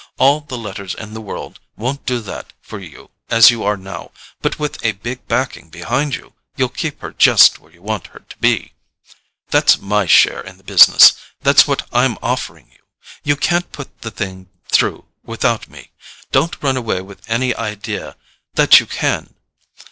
All the letters in the world won't do that for you as you are now; but with a big backing behind you, you'll keep her just where you want her to be. That's MY share in the business—that's what I'm offering you. You can't put the thing through without me—don't run away with any idea that you can.